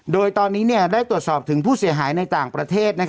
โดยตอนนี้ได้ตรวจสอบถึงผู้เสียหายในต่างประเทศ